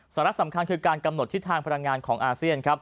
สาระสำคัญคือการกำหนดทิศทางพลังงานของอาเซียนครับ